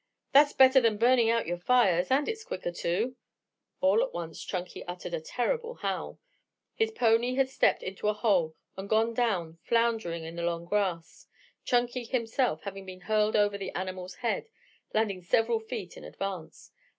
"That's better than burning out your fires, and it's quicker too " All at once, Chunky uttered a terrible howl. His pony had stepped into a hole and gone down floundering in the long grass, Chunky himself having been hurled over the animal's head, landing several feet in advance.